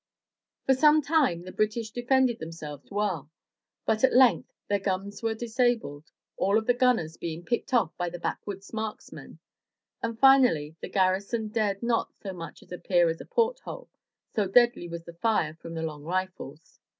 For some time the British defended themselves well, but at ^ length their guns were disabled, all of the gunners being picked off by the backwoods marksmen, and finally the garrison dared not so much as appear at a port hole, so deadly was the fire from the long rifles.